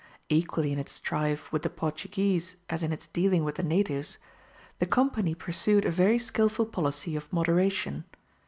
Equally in its strife with the Portuguese as in its dealing with the natives, the Company pursued a very skilful policy of moderation.